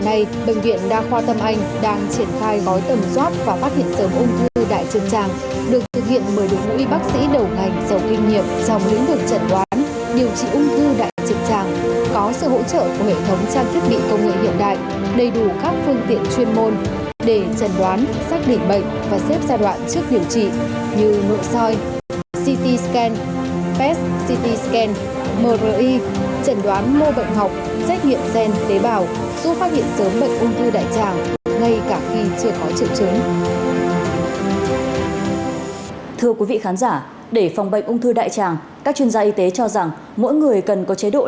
hãy đăng ký kênh để ủng hộ kênh của chúng tôi nhé